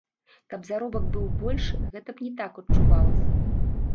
Каб заробак быў большы, гэта б не так адчувалася.